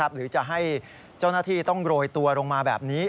หรือจะให้เจ้าหน้าที่ต้องโรยตัวลงมาแบบนี้